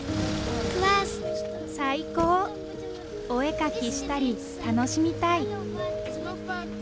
最高、お絵描きしたり、楽しみたい。